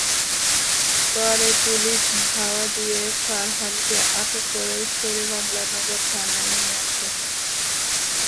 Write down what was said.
পরে পুলিশ ধাওয়া দিয়ে ফারহানকে আটক করে শেরেবাংলা নগর থানায় নিয়ে আসে।